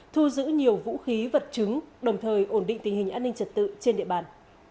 thu giữ nhiều vũ khí vật chứng đồng thời ổn định tình hình an ninh trật tự trên địa bàn